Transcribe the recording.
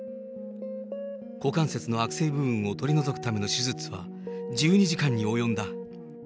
股関節の悪性部分を取り除くための手術は１２時間に及んだ。